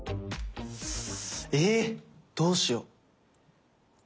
⁉えどうしよう。